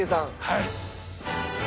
はい。